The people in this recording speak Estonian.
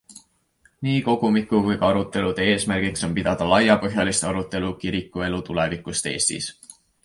Nii kogumiku kui ka arutelude eesmärgiks on pidada laiapõhjalist arutelu kirikuelu tulevikust Eestis.